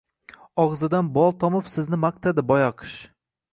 Og‘zidan bol tomib sizni maqtadi boyoqish.